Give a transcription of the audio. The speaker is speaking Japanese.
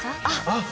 あっ！